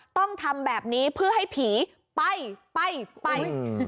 ต้องทำแบบนี้เพื่อให้ผีไปไป